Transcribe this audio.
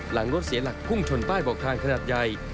หลังรถเสียหลักพุ่งชนป้ายบอกทางขนาดใหญ่